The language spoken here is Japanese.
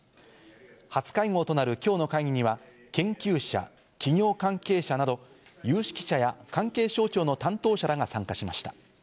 初会合となる今日の会議には、研究者、企業関係者など有識者や関係省庁の担当者らが参加しました。